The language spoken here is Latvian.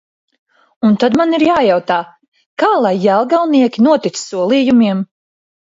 Un tad man ir jājautā: kā lai jelgavnieki notic solījumiem?